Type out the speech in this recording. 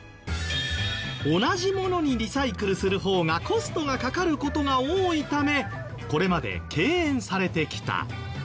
同じものにリサイクルする方がコストがかかる事が多いためこれまで敬遠されてきた。